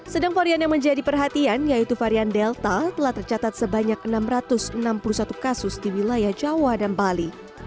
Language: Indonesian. sedang varian yang menjadi perhatian yaitu varian delta telah tercatat sebanyak enam ratus enam puluh satu kasus di wilayah jawa dan bali